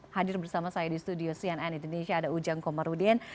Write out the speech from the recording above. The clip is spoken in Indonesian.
hadir bersama saya di studio cnn indonesia ada ujang komarudin